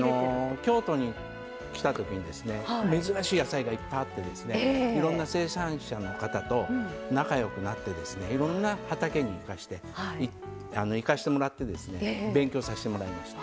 京都に来たときに珍しい野菜がいっぱいあっていろんな生産者の方と仲よくなっていろんな畑に行かせてもらって勉強させてもらいました。